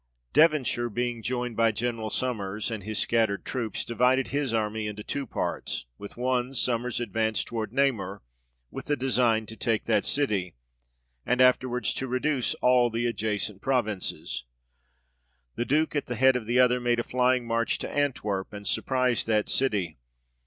Devonshire being joined by General Sommers and his scattered troops, divided his army into two parts ; with one, Sommers advanced towards Namur, with design to take that City, and afterwards to reduce all the adjacent provinces. THE ENGLISH OVER RUN HOLLAND. 69 The Duke at the head of the other, made a flying march to Antwerp, and surprised that city.